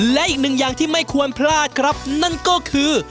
และอีกหนึ่งอย่างที่ไม่ควรพลาดครับนั่นก็คือ